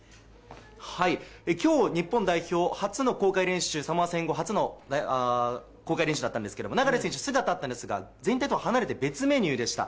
きょう、日本代表初の公開練習、サモア戦後、初の公開練習だったんですけども、流選手、姿はあったんですが、全体とは離れて別メニューでした。